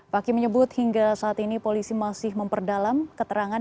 fakih menyebut hingga saat ini polisi masih memperdalam keterangan